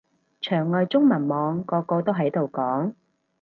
牆外中文網個個都喺度講